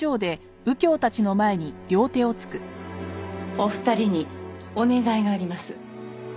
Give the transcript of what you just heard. お二人にお願いがあります。